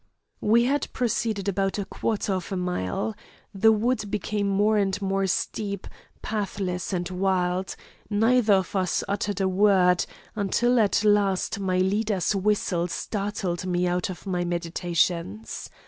"We had proceeded about a quarter of a mile. The wood became more and more steep, pathless and wild, neither of us uttered a word, until at last my leader's whistle startled me out of my meditations.